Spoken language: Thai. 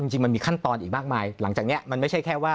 จริงมันมีขั้นตอนอีกมากมายหลังจากนี้มันไม่ใช่แค่ว่า